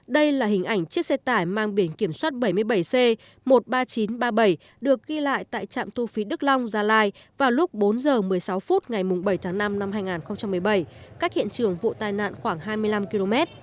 đây là hình ảnh chiếc xe tải mang biển kiểm soát bảy mươi bảy c một mươi ba nghìn chín trăm ba mươi bảy được ghi lại tại trạm thu phí đức long gia lai vào lúc bốn h một mươi sáu phút ngày bảy tháng năm năm hai nghìn một mươi bảy cách hiện trường vụ tai nạn khoảng hai mươi năm km